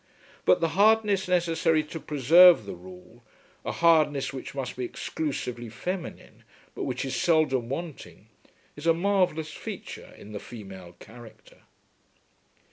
But the hardness necessary to preserve the rule, a hardness which must be exclusively feminine but which is seldom wanting, is a marvellous feature in the female character.